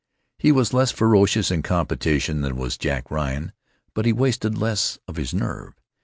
He was less ferocious in competition than was Jack Ryan, but he wasted less of his nerve.